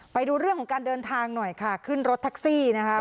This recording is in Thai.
ไปดูเรื่องของการเดินทางหน่อยค่ะขึ้นรถแท็กซี่นะคะ